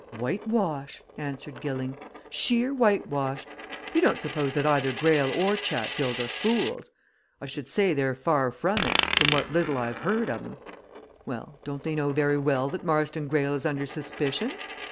"Whitewash!" answered Gilling. "Sheer whitewash! You don't suppose that either Greyle or Chatfield are fools? I should say they're far from it, from what little I've heard of 'em. Well don't they know very well that Marston Greyle is under suspicion?